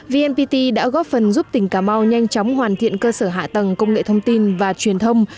vnpt đã góp phần giúp tỉnh cà mau nhanh chóng hoàn thiện cơ sở hạ tầng công nghệ thông tin và truyền thông